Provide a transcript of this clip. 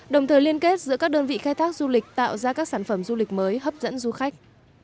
đồng thời liên kết giữa các đơn vị khai thác du lịch tạo ra các sản phẩm du lịch mới hấp dẫn du khách